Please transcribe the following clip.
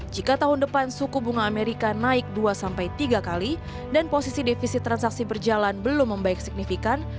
jika tahun depan suku bunga amerika naik dua tiga kali dan posisi defisit transaksi berjalan belum membaik signifikan